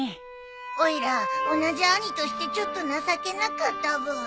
おいら同じ兄としてちょっと情けなかったブー。